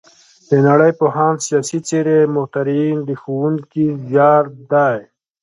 د نړۍ پوهان، سیاسي څېرې، مخترعین د ښوونکي زیار دی.